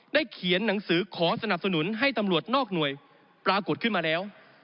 เขียนหนังสือขอสนับสนุนให้ตำรวจนอกหน่วยปรากฏขึ้นมาแล้ว